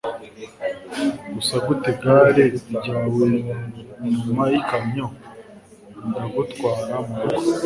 gusa guta igare ryawe inyuma yikamyo ndagutwara murugo